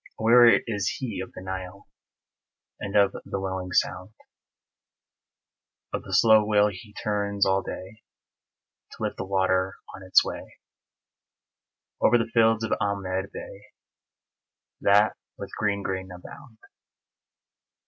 Aweary is he of the Nile And of the wailing sound Of the slow wheel he turns all day To lift the water on its way Over the fields of Ahmed Bey, That with green grain abound.